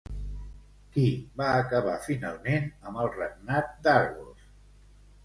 Qui va acabar finalment amb el regnat d'Argos?